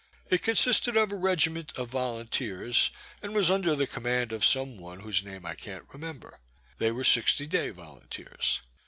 It consisted of a regiment of volunteers, and was under the command of some one whose name I can't remember. They were sixty day volunteers.